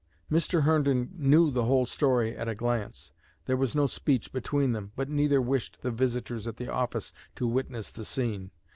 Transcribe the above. Mr. Herndon knew the whole story at a glance. There was no speech between them, but neither wished the visitors at the office to witness the scene.